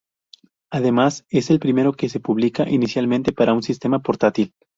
Además, es el primero que se publica inicialmente para un sistema portátil.